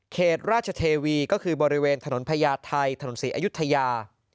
เหตุราชเทวีก็คือบริเวณถนนพญาไทยถนนศรีอายุทยา